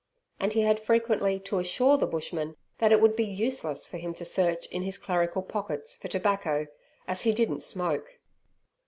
And he had frequently to assure the bushman that it would be useless for him to search in his clerical pockets for tobacco, as he didn't smoke.